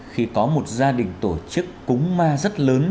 khi có một gia đình tổ chức cúng ma rất lớn